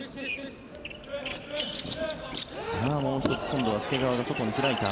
もう１つ、今度は介川が外に開いた。